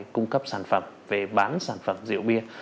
cung cấp sản phẩm về bán sản phẩm rượu bia